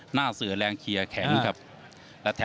หน้าเสือแรงเคลียร์แข็งครับ